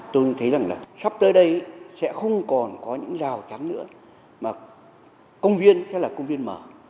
tôi thấy rằng là sắp tới đây sẽ không còn có những rào chắn nữa mà công viên sẽ là công viên mở